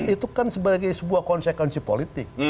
itu kan sebagai sebuah konsekuensi politik